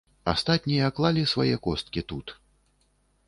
Астатнія клалі свае косткі тут.